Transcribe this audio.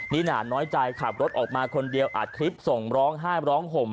นี่หนาน้อยใจขับรถออกมาคนเดียวอัดคลิปส่งร้องไห้ร้องห่ม